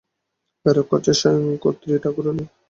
প্রেরক হচ্ছেন স্বয়ং কর্ত্রীঠাকুরানী।